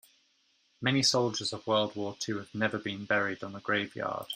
Many soldiers of world war two have never been buried on a grave yard.